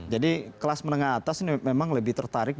jadi kelas menengah atas ini memang lebih tertarik